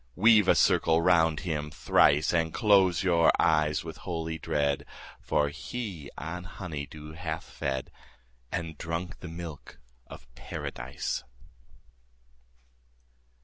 50 Weave a circle round him thrice, And close your eyes with holy dread, For he on honey dew hath fed, And drunk the milk of Paradise.